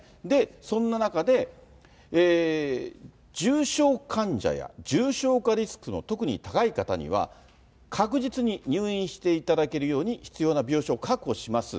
そんな中で、重症患者や重症化リスクの特に高い方には、確実に入院していただけるように、必要な病床を確保します。